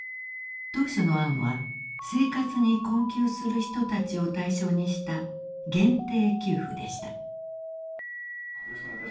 当初の案は生活に困窮する人たちを対象にした限定給付でした。